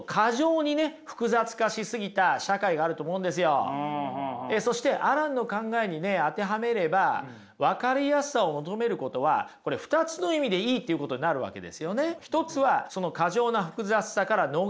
私はその若い人たちが今ねそしてアランの考えにね当てはめれば分かりやすさを求めることは２つの意味でいいっていうことになるわけですよね。